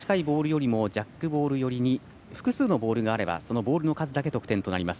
相手の最も近いボールよりもジャックボール寄りに複数のボールがあればそのボールの数だけ得点です。